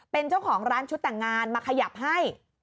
เป็นเจ้าของร้านชุดแต่งงานมาขยับให้